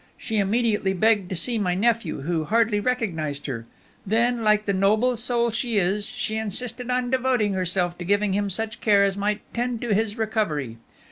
She immediately begged to see my nephew, who hardly recognized her; then, like the noble soul she is, she insisted on devoting herself to giving him such care as might tend to his recovery.